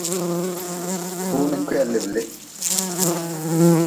Runi kwihaliblih.